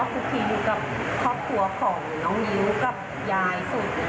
แล้วก็คุกทีดูกับครอบครัวของน้องยิ้วกับยายสูตร